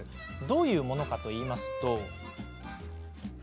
どういうものかというと。